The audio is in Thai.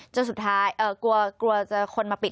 จนสุดท้ายกลัวจะคนมาปิด